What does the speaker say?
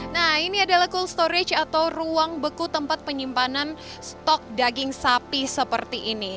nah ini adalah cool storage atau ruang beku tempat penyimpanan stok daging sapi seperti ini